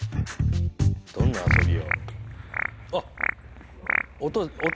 どんな遊びよ。